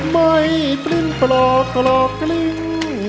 ไม่กลิ้นปลอกกลอกกลิ้น